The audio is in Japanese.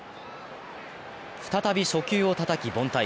再び初球をたたき凡退。